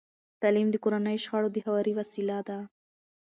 تعلیم د کورني شخړو د هواري وسیله ده.